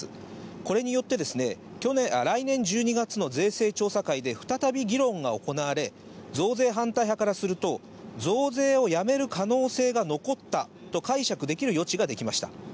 これによって、来年１２月の税制調査会で再び議論が行われ、増税反対派からすると、増税をやめる可能性が残ったと解釈できる余地が出来ました。